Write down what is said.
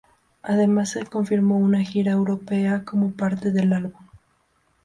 Además se confirmó una gira europea como parte del álbum.